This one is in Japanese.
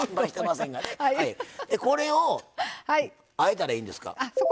これをあえたらいいんですか。